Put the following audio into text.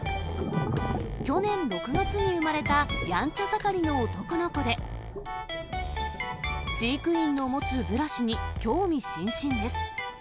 去年６月に生まれたやんちゃ盛りの男の子で、飼育員の持つブラシに、興味津々です。